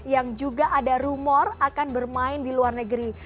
yang juga ada rumor akan bermain di luar negeri